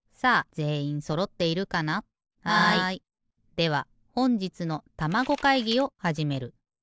ではほんじつのたまご会議をはじめる。